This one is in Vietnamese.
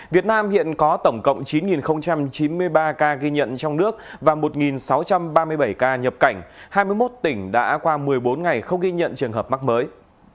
việt nam hiện có tổng cộng chín chín mươi ba ca ghi nhận trong nước và một sáu trăm ba mươi bảy ca nhập cảnh hai mươi một tỉnh đã qua một mươi bốn ngày không ghi nhận trường hợp mắc mới